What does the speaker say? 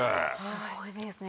すごいですね。